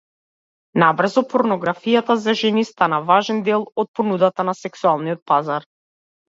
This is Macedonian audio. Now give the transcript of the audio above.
Набрзо порнографијата за жени стана важен дел од понудата на сексуалниот пазар.